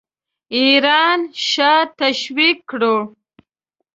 ایران شاه تشویق کړو.